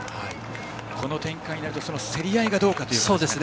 この展開になると競り合いがどうかというところですね。